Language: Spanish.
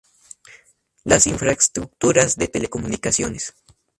Las infraestructuras de telecomunicaciones.